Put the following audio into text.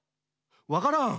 わからん。